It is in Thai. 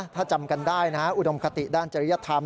ถ้าจำกันได้นะอุดมคติด้านจริยธรรม